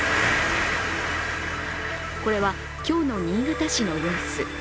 これは今日の新潟市の様子。